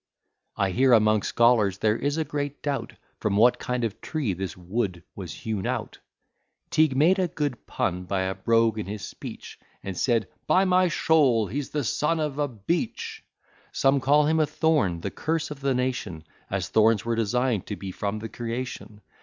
I hear, among scholars there is a great doubt, From what kind of tree this Wood was hewn out, Teague made a good pun by a brogue in his speech: And said, "By my shoul, he's the son of a BEECH." Some call him a thorn, the curse of the nation, As thorns were design'd to be from the creation.